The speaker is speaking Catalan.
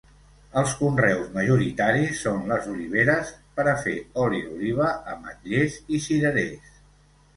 Els conreus majoritaris són les oliveres, per a fer oli d'oliva, ametllers i cirerers.